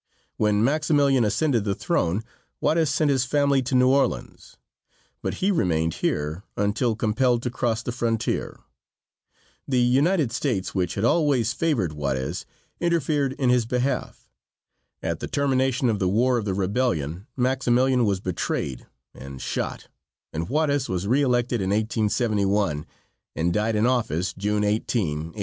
When Maximilian ascended the throne, Juarez sent his family to New Orleans, but he remained here until compelled to cross the frontier. The United States, which had always favored Juarez, interfered in his behalf. At the termination of the War of the Rebellion Maximilian was betrayed and shot, and Juarez was re elected in 1871, and died in office June 18, 1872.